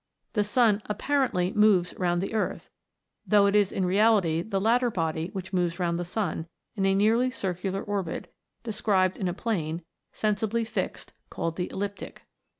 The sun apparently moves round the earth, though it is in reality the latter body which moves round the sun, in a nearly circular orbit, described in a plane, sensibly fixed, called the ecliptic.